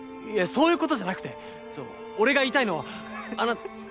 いやそういう事じゃなくてその俺が言いたいのは。